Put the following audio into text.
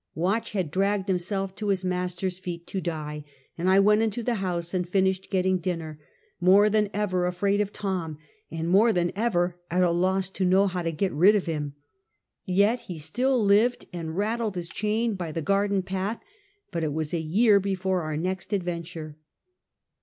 Watch had dragged himself to his master's feet to die, and I went into the house and finished getting dinner, more than ever afraid of Tom and more than ever at a loss to know how to get rid of him. Yet he still lived and rattled his chain by the garden path, but it was a year before our next adventure.